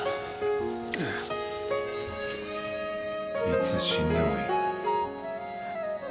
いつ死んでもいい。